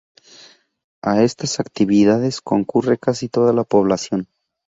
A estas actividades concurre casi toda la población.